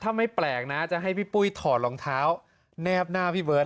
ถ้าไม่แปลกนะจะให้พี่ปุ้ยถอดรองเท้าแนบหน้าพี่เบิร์ต